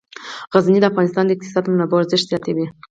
غزني د افغانستان د اقتصادي منابعو ارزښت زیاتوي.